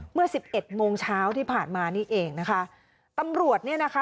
สิบเอ็ดโมงเช้าที่ผ่านมานี่เองนะคะตำรวจเนี่ยนะคะ